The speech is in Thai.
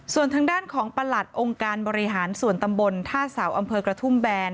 ส่วนทางด้านของประหลัดองค์การบริหารส่วนตำบลท่าเสาอำเภอกระทุ่มแบน